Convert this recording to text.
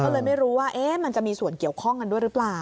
ก็เลยไม่รู้ว่ามันจะมีส่วนเกี่ยวข้องกันด้วยหรือเปล่า